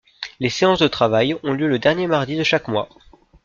Les séances de travail ont lieu le dernier mardi de chaque mois.